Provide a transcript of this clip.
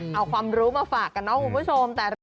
เอาความรู้มาฝากกันเนาะคุณผู้ชม